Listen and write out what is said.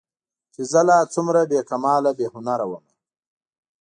چې زه لا څومره بې کماله بې هنره ومه